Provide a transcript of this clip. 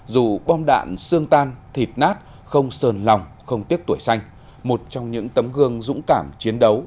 dù bom đạn xương tan thịt nát không sờn lòng không tiếc tuổi sanh một trong những tấm gương dũng cảm chiến đấu